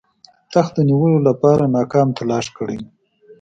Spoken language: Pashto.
تخت د نیولو لپاره ناکام تلاښ کړی وو.